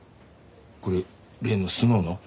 これ例のスノウの？